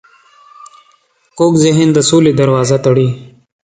کوږ ذهن د سولې دروازه تړي